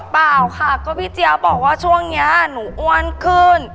เปล่าค่ะก็พี่เจี๊ยบบอกว่าช่วงนี้หนูอ้วนขึ้น